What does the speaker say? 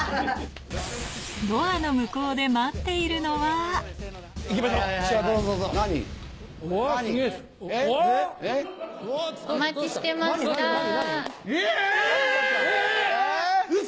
ドアの向こうで待っているのはウソ！